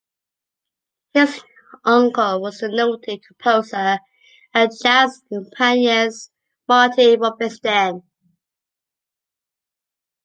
His uncle was the noted composer and jazz pianist Marty Rubenstein.